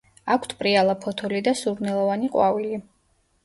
აქვთ პრიალა ფოთოლი და სურნელოვანი ყვავილი.